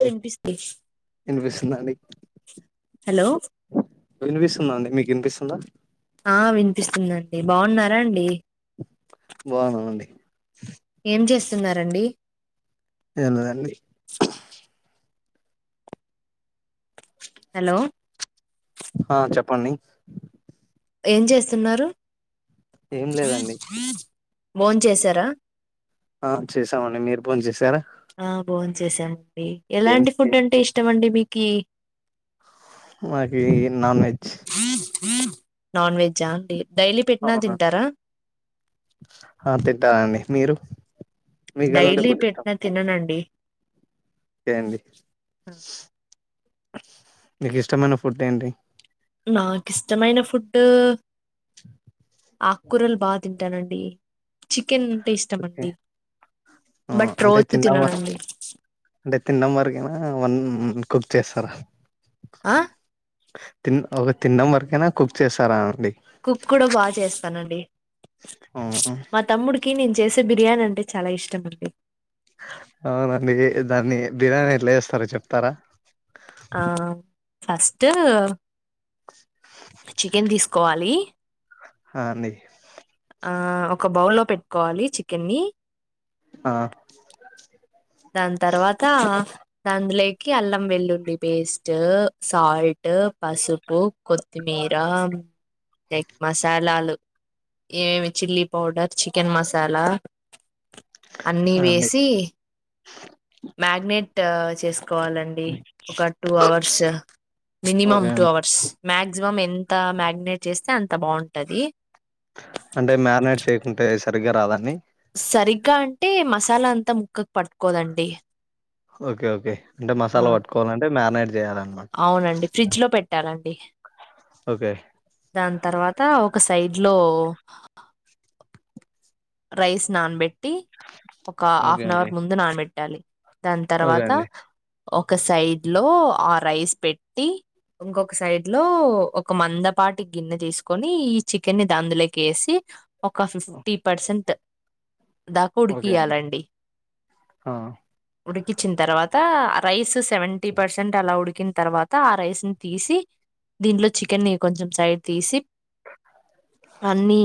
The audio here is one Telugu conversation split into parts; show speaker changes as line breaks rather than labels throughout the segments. తినిపిస్తి
వినిపిస్తుందాన్డి
హలో
వినిపిస్తుందా అండి మీకు వినిపిస్తుందా
ఆ వినిపిస్తుందండి బాగున్నారా అండి
బాగున్నానండీ
ఏం చేస్ వున్నారాన్డి
ఏమీలేదని
హలో
ఆ చెప్పండి
ఏం చేస్తున్నారు
ఏం
హ్రీ
లేదండి
హ్రీ బోన్ చేసారా
ఆ చేసామండి మీరు బోన్ చేసారా
చేేసాం
ఏం
ఎలాంటి ఫుడ్ అంటే ఇష్టంమండి మీకు కేక్
మాకీ ఈ నాన్ వెజ్ [inaudible] [unintelligible]
నాన్ వెజ్జ అండి డైలీ పెట్టినా తింటారా
ఆ తింటమండి మీరు మీకు
డైలీ పెట్టినా తిననండి
ఏంది నీకు ఇష్టమైన ఫుడ్ ఏంటి
నాకు ఇష్టమైన ఫుడ్ ఆకుకూరలు బాగా తింటానండి డీ చికెన్ అంటే ఇష్టం
ఓకే
అండి
ఆ
బట్
అంటే
రోజు
తినడం వ
తిననండి
అంటే తినడం వరకేన ఏవన్ కుక్ చేస్తారా
ఆ
తిన్ ఒక తినడం వరకేనా కుక్ చేస్తారా అండి
కుక్ కూడా బాగా చేస్తానండి
అవును.
మా తమ్ముడికి నేను చేసి బిర్యానీ అంటే చాలా ఇష్టం అండి
అవునండి దాన్ని బిర్యానీ ఎట్లా చేస్తారో చెప్తారా
ఆ ఫస్ట్ చికెన్ తీసుకోవాలి
హన్నె [unintelligible]
ఆ ఒక బౌల్లో పెట్టుకోవాలి చికెన్ని
ఆ
దాని తర్వాత అందులోకి అల్లం వెల్లుల్లి పేస్ట్ సాల్ట్, పసుపు, కొత్తిమీర, ఎగ్ మసాలాలు ఏమేమి చిల్లీ పౌడర్ చికెన్ మసాలా అన్నీ
ఆ! అండి
వేసి మ్యాగ్నేెట్ చేసుకోవాలండి ఒక టూ అవర్స్
ఓకే
మినిమమ్
అండి
టూ అవర్స్ మాక్సి మనం ఎంత మ్యాగినేట్ చేస్తే అంత బాగుంటది
అంటే మ్యారినేట్ చేయకుంటే సరిగ్గా రాదండి
సరిగ్గా అంటే మసాలా అంతా ముక్కకు పట్టుకోదండి
ఓకే ఓకే అంటే
ఆ
మసాలా పట్టుకోవాలంటే మ్యారినేట్ చేయాలన్నమాట
అవునండి ఫ్రిడ్జ్ లో పెట్టాల డి
ఓకే
దాని తర్వాత ఒక సైడ్ లో రైస్ నాన్బెట్టి ఒక
ఓకే
హాఫ్ అన్
అండి
అవర్ ముందు నానబెట్టాలి దాని
ఓకే
తర్వాత
అండి
ఒక సైడ్ లో ఆ రైస్ పెట్టి ఇంకొక సైడ్ లో ఒక మందపాటి గిన్నె తీసుకొని ఈ చికెన్ని ని అందులోకి వేసి ఒక ఫిఫ్టీ పర్సెంట్ దాకా
ఓకే అండి
ఉడికియాలండి
ఆ!
ఉడికించిన తర్వాత తవా రైస్ సెవెంటీ పర్సెంట్ అలా ఉడికిన తర్వాత ఆ రైస్ ని తీసి దీంట్లో చికెన్ ని కొంచెం సైడ్ తీసి అన్నీ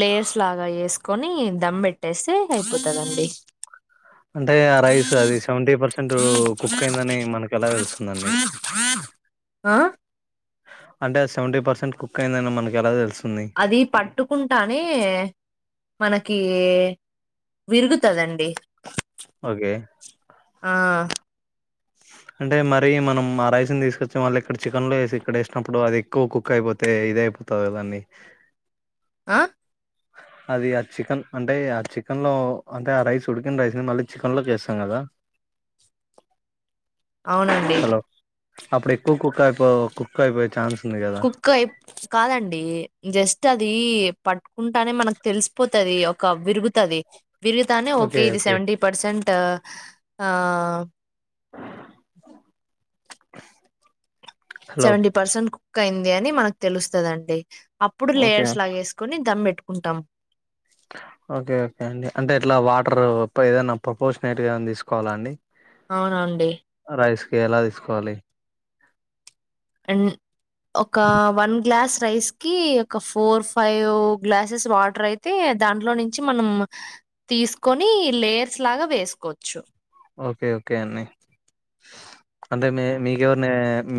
లేయర్స్ లాగా వేసుకొని దమ్ పెట్టేస్తే అయిపోతదండి
అంటే ఆ రైస్ అది సెవెంటీ పర్సెంట్ కుక్ అయిందని మనకు ఎలా తెలుస్తుందండి
ఆ
అంటే అది సెవెంటీ పర్సెంట్ కుక్యిందని మనకు ఎలా తెలుసు
అది పట్టుకుంటానే మనకి విరుగుతదండి
ఓకే.
ఆ
అంటే మరి మనం ఆరయిసిని తీసుకొచ్చే వాళ్ళకి ఇక్కడ చికెన్లోసి ఇక్కడ వేసినప్పుడు అది ఖో కుఖ అయిపోతే ఇది అయిపోతద కదా దాన్ని
ఆ
అది ఆ చికెన్ అంటే ఆ చికెన్ లో అంటే ఆ రైస్ ఉడికిన రైస్ ని మళ్ళీ చికెన్ లోకి వేస్తాం కదా
అవునండి
హలో! అప్పుడు ఎక్కువ కుక్ కూకాయిపోయి చాన్స్
కుక్కు అయి కాదండి జస్ట్ అది పట్టుకుంటానే మనకు తెలిసిపోతది ఒక విరుగుతది విరుగుతానే ఓకే ఇది సెవెంటీ పర్సెంట్ ఆ
హలో
సెవెంటి పర్సెంట్ క్క అయింది అని మనకు తెలుస్తదండి అప్పుడు
ఓకే
లేయర్స్ లాగ వేసుకొని దమ్మెెట్టు కుంటాం
ఓకే ఓకే అండి అంటే ఇట్లా వాటర్ ఏదనా ప్రపోర్షనేట్ గా తీసుకోవాలా అండి
అవునండి
రైస్ ఎలా తీసుకోవాలి
అండ్ ఒక వన్ గ్లాస్ రైస్ కి ఒక ఫోర్ ఫైవ్ గ్లాసెస్ వాటర్ అయితే దాంట్లో నుంచి మనం తీసుకొని లేయర్స్ లాగా వేసుకోవచ్చు
ఓకే ఓకే అండి అంటే మీ మీకెవరి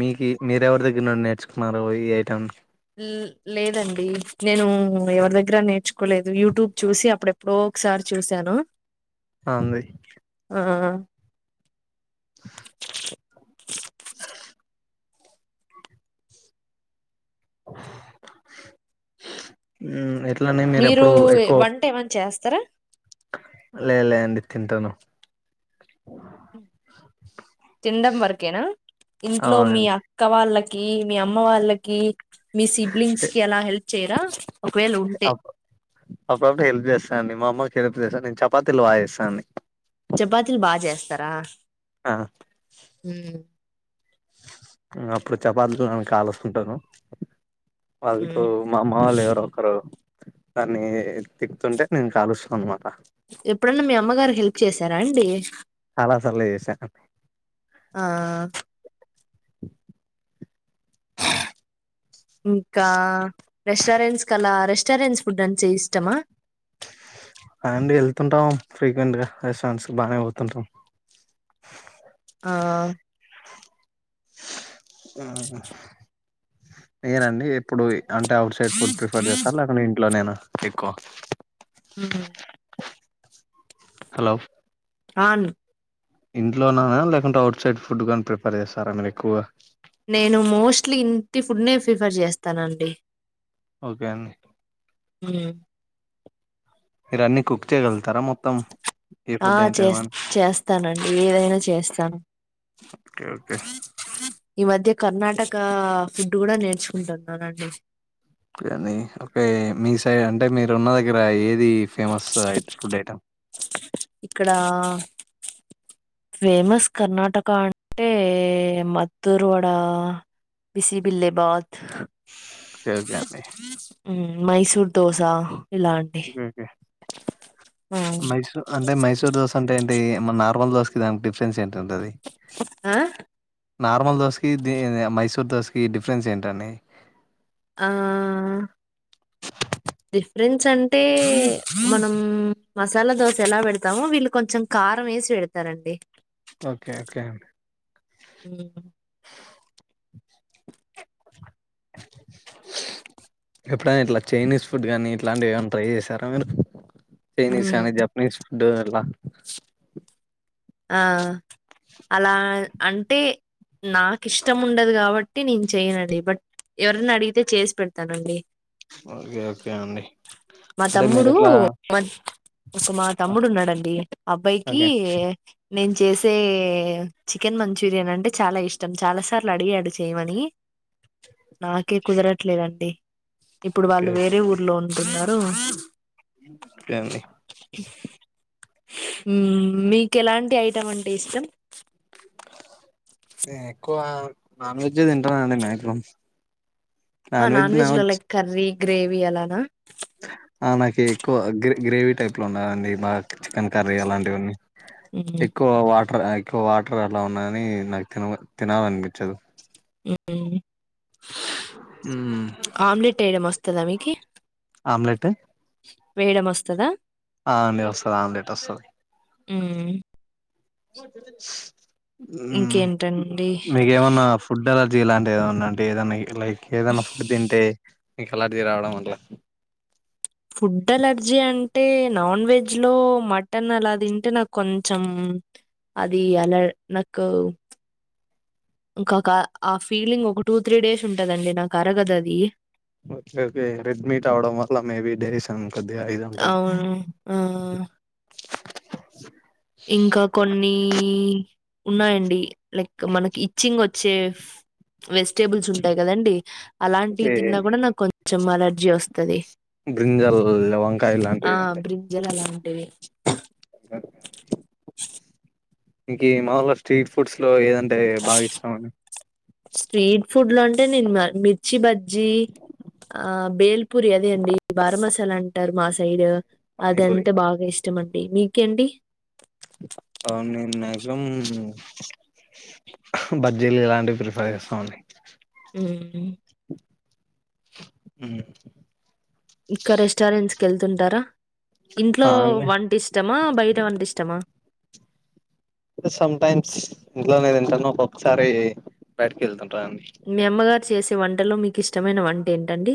మీకు మీరెవరి దగ్గర నుండి నేర్చుకున్నారు ఈ ఐటెమ్
లేదండి నేను ఎవరి దగ్గర నేర్చుకోలేదు యూట్యూబ్ చూసి అప్పుడెప్పుడో ఒకసారి చూసాను
ఆ అండి
ఆ
ఉ
మీరు వంట ఏమన్నా చేస్తర
లే లే అండి తింటాను
తినడం వరకేనా ఇంట్లో మీ
అవునండి
అక్క వాళ్ళ కీ మీ అమ్మ వాళ్ళకి మీ సిబ్లింగ్స్ కి అలా హెల్ప్ చేరా
అ అప్పుడప్పుడు హెల్ప్ చేస్తానండి మా అమ్మ హెల్ప్ చేస్త నేను చపాతీలు బాగ చేస్తా అండి
చపాతీలు బాగా చేస్తారా
ఆ
మ్మ్.
అప్పుడు చపాతిలు [unintelligible] కాల్స్తు ఉంటాను వాళ్ళతో
మ్మ్.
మా అమ్మ వాళ్ళు ఎవరు ఒకరు దాన్ని తికుతుంటే నేను కాలుస్తా అన్నమాట
ఎప్పుడన్నా మీ అమ్మగారు హెల్ప్ చేసార అండి
చాల సార్లు చేశా
ఆ ఇంకా రెస్టారెంట్స్ కలా రెస్ రెస్టారన్స్ ఫుడ్ అంటే ఇష్టమా
అండి వెళ్తుంటాము ఫ్రీక్వెంట్ గా రెస్టారెంట్ బాగానే పోతుంటాం
ఆ
నేనండి ఇప్పుడు అంటే అవుట్ సైడ్ ఫుడ్ ప్రిఫర్ చేస్తారు లేకుంటే ఇంట్లో నేన ఎకువ
ఉ
హలో
ఆన్
ఇంట్లోనా లేకుంటే అఔట్ సైడ్ ఫుడ్ గానీ ప్రిఫర్ చేస్తారా మీరు ఎక్కువగా
నేను మోస్ట్లీ ఇంటి ఫుడ్నే ప్రిఫర్ చేస్తానండి
ఒకే అండి
హు
మీరు అన్నీ కుక్చేగల్
ఆ చేస్ చేస్తానండి. ఏదైనా చేస్తాను.
ఓకే ఓకే
ఈ మధ్య కర్ణాటక ఫుడ్ గూడా నేర్చుకుంటున్నానండి.
కానీ ఓకే మీ సైడ్ అంటే. మీరు ఉన్న దగ్గర ఏద్ ది ఫేమస్ ఐట్ ఫుడ్ ఐటెమ్
ఇక్కడా ఫేమస్ కర్ణాటక అంటే మత్తూరు వడ, బిసిబిల్లేబాత్
సేవ్ జాప్డీ [unintelligible]
మ్మ్ మైసూర్ దోస
ఒకే ఒకే
హ్మ్.
మైసూర్ అంటే మైసూర్ దోసాంటే ఏంటి మనా ట్వల్ దోస్కీ దాన్కి డిఫ్రెన్స్ ఏంట్
ఆ
నార్మల్ దోస్కి దీనే మైసూర్ దోస్కి డిఫ్రెన్స్ ఏంటండి.
ఆ డిఫ్రెన్స్ అంటే. మనం మసాలా దోస ఎలా పెడతామో. వీళ్ళు కొంచెం కారం వేసి పెడతారండి.
ఓకే ఓకే అండి
హ్మ్.
ఎప్పుడైనా ఇట్లా చైనీస్ ఫుడ్ గానీ, ఇట్లాంటివి ఏమన్నా ట్రై చేశారా మీరు. చైనీస్
హ్మ్.
కానీ జప్నీస్ టే ఎలా
ఆ అలా అంటే నాకు ఇష్టం ఉండదు గాబట్టి నేను చెయ్యనండి. బట్ ఎవరన్న అడిగితే చేస్ పెడతానండి.
ఓకే. ఓకే అండి.
మా
అంటే
తమ్ముడు
మీరెట్లా
[inaudible] మా ఒక మా
ఆ!
తమ్ముడు ఉన్నాడంండి అబ్బాయికి
ఓకే.
నేను చేసే చికెన్ మంచూరియన్ అంటే చాలా ఇష్టం. చాలాసార్లు అడిగాడు చేయ్మని నాకే కుదరట్లేదండి. ఇప్పుడు
ఓకే.
వాళ్ళు వేరే ఊర్లో ఉంటున్నార్. నువ్
కే అండి
మ్మ్ మీకు ఎలాంటి ఐటం అంటే ఇష్టం.
నే ఎక్కువ నాన్ వెజె తింటానండి. మాక్సిమం
ఆ నాన్ వెజ్ లో లైక్ కర్రీ గ్రేవీ అలానా
ఆ! నాకి ఎక్కువ గ్రే గ్రేవీ టైప్లో ఉన్నదండి మా చికెన్ కర్రీ అలాంటివన్నీ.
మ్మ్
ఎక్కువ వాట్ ఎక్కువ వాటర్ అలా ఉన్నాగాని నాకు తినబ్ తినాలనిపించదు.
ఏ ఏ
మ్మ్
ఆమ్లెట్ వేయడం వస్తదా మీకి
ఆమ్లెటు
వేయడం వస్తదా
ఆ ఆండి వస్తది ఆమ్లెట్ వస్తది
హ్మ్మ్
బ హ్మ్
ఇంకేంటండి
మీకేమన్నా ఫుడ్ అలా ఇలాంటిది ఏదన్నా అంటే ఏదానికి లైక్ ఏదన్నా ఫుడ్ తింటే ఇక అలర్జీ రావడం అంటే
ఫుడ్ అలర్జీ అంటే నాన్ వెజ్ లో మటన్ అలా తింటే నాకు కొంచెం అది అల నాకు ఇంకా ఆ ఫీలింగ్ ఒక టూ త్రీ డేస్ ఉంటదండి నాకు అరగదు అది
రెడ్మీట్ అవడం వల్ల మేబీ డైజెషన్ కొద్దిగా ఇది ఉంటది
అవును ఆహ్ ఆ
[inaudible] [unintelligible]
ఇంకా కొన్ని ఉన్నాయండి లైక్ మనకి ఇట్చింగ్ వచ్చే వెజిడ్ టేబుల్స్ ఉంటాయి కదండి అలాంటివి
ఓకే
తిన్నా కూడా నాకు కొ తుమ్మ ఎల్లర్జీ వస్తా
బ్రింజల్ వంకాయలాండి
ఆ! బ్రింజల్ [inaudible] [unintelligible] [inaudible] [unintelligible]
మీకి మాములు స్ట్రీట్ ఫుడ్స్ లో ఏదంటే అంటే బాగిష్టం లైక్
స్ట్రీట్ ఫుడ్ లో అంటే నేను మిర్చి బజ్జి ఆ బేల్ పూరి అదే అండి బారా మసాలా అంటారు మా సైడ్
పానీపూరి
అదంతే బాగా ఇష్టం అండీ హ్మ్ మీకండి
అవు నేను మాక్సిమం బజ్జీలు ఇలాంటివి ప్రిఫర్ చేస్తామండి
ఉమ్
ఉమ్
ఇంకా రెస్టారెంట్స్కి వెళ్తుంటారా ఇంట్లో
అవున్లే
వంటిష్టమా బయట వంట ఇష్టమా
సమ్ టైమ్స్ ఇంట్లోనేతింటాను ఒకోక్కసారి బయటకి వెళ్తాను ట్రాన్
మీ అమ్మగారు చేసే వంటలో మీకు ఇష్టమైన వంట ఏంటండి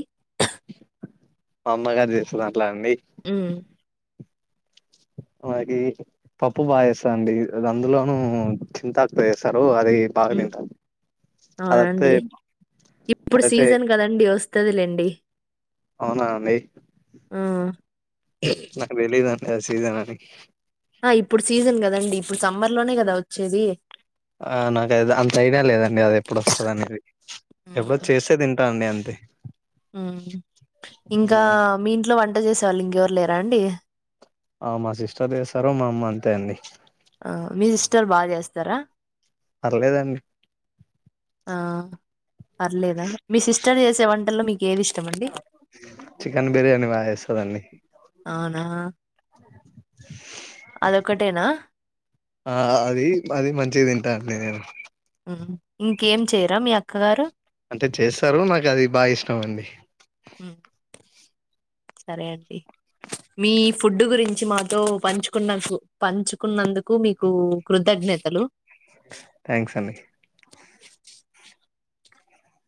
మా అమ్మ గారు చేసినా వంటలండి
హ్మ్.
నాకి పప్పు బాగా చేేస్తారండి అది అందులోనూ చింతాక్తో చేస్తారు అది బాగా తింటాను అదైతే
అవునండి ఇప్పుడు
అదైతే
సీజన్ కదండి వస్తదిలేండి డి
అవునా అండి నాక్ వెళ్ళదా లేదా సీజనా అని
ఆ ఇప్పుడు సీజన్ కదండి ఇప్పుడు సమ్మర్ లోనే కదా వచ్చేది
ఆ నాకు అంత ఐడియా లేదండి అది ఎప్పుడు వస్తుంది అనేది ఎప్పుడో చేసే తింటా అండి అం దే
ఉమ్ ఇంకా మీంట్లో వం వంట చేసేవాళ్ళు ఇంకెవరు లేరా అండి
ఆ మా సిస్టర్ చేస్తారు మా అమ్మ అంతే అండి
మీ సిస్టర్ బాగా చేస్తారా
పర్లేదండి
ఆ పర్లేదా మీ సిస్టర్ జె వంటల్లో మీకు
చికెన్ బిర్యానీ బా చేస్తదండి
అవునా! అదొక్కటేనా?
ఆ అది అది మంచిగా తింటా లేవు
ఇంకేం చేయరా మీ అక్కగారు
అంటే చేస్తారు నాకు అది బాగా ఇష్టం అండి
హ్మ్. సరే అండి మీ ఫుడ్ గురించి మాతో పంచుకున్నకు పంచుకున్నందుకు మీకు కృతజ్ఞతలు
థ్యాంక్స్ అండి